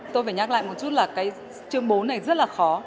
tôi phải nhắc lại một chút là cái chương bố này rất là khó